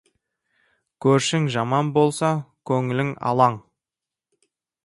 Көршің жаман болса, көңілің алаң.